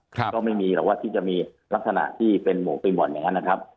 ก็ไม่มีหรอกว่าที่จะมีลักษณะที่เป็นหกปีนบ่อนอย่างนั้นนะครับ